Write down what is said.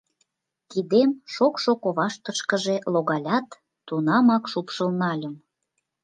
Кидем шокшо коваштышкыже логалят, тунамак шупшыл нальым.